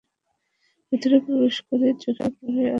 ভেতরে প্রবেশ করতেই চোখে পড়ে আগত অতিথিদের পার্ক করা গাড়ির সারি।